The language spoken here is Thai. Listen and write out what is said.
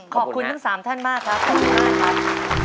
ขอบคุณทั้ง๓ท่านมากครับขอบคุณมากครับ